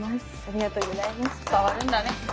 伝わるんだね。